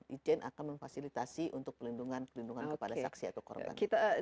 ijen akan memfasilitasi untuk perlindungan pelindungan kepada saksi atau korban